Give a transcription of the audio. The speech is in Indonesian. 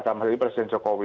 ada melihat presiden jokowi